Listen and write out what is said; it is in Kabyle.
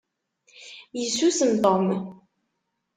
Yessusum Tom.